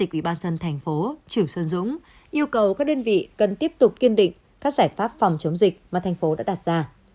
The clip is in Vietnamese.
phó chủ tịch ubnd thành phố chủ xuân dũng yêu cầu các đơn vị cần tiếp tục kiên định các giải pháp phòng chống dịch mà thành phố đã đặt ra